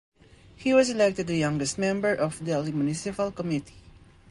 He was elected the youngest member of Delhi Municipal Committee.